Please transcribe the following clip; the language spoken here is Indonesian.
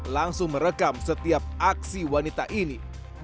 langsung merekam setiap aksi wanita ini